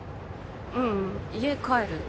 ううん家帰る。